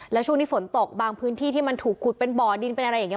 แล้วช่วงนี้ฝนตกบางพื้นที่ที่มันถูกขุดเป็นบ่อดินเป็นอะไรอย่างนี้